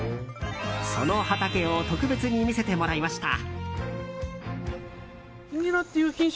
その畑を特別に見せてもらいました。